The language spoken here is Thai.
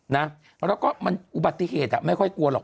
แล้วก็มันอุบัติเหตุไม่ค่อยกลัวหรอก